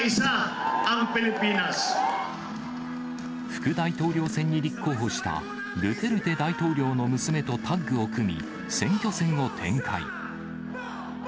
副大統領選に立候補したドゥテルテ大統領の娘とタッグを組み、選挙戦を展開。